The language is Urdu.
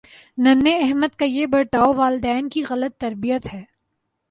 ننھے احمد کا یہ برتا والدین کی غلط تربیت ہے